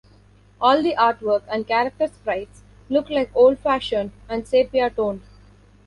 All the artwork and character sprites look like old fashioned and sepia-toned.